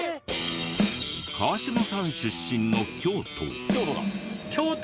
川島さん出身の京都。